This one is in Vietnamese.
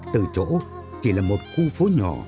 từ chỗ chỉ là một khu phố nhỏ